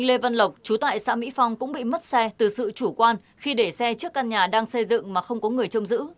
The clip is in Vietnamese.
lê văn lộc chú tại xã mỹ phong cũng bị mất xe từ sự chủ quan khi để xe trước căn nhà đang xây dựng mà không có người chôm giữ